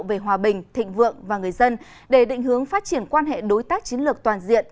về hòa bình thịnh vượng và người dân để định hướng phát triển quan hệ đối tác chiến lược toàn diện